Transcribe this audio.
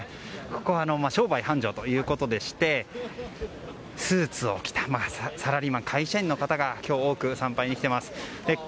ここは商売繁盛ということでしてスーツを着たサラリーマン会社員の方が今日は多く参拝に来ています。